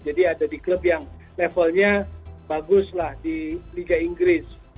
jadi ada di klub yang levelnya bagus lah di liga inggris